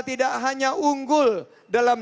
tidak hanya unggul dalam